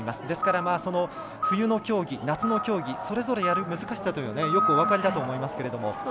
ですから冬の競技、夏の競技それぞれやる難しさはよくお分かりだと思いますけれど。